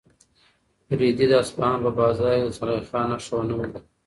رېدي د اصفهان په بازار کې د زلیخا نښه ونه مونده.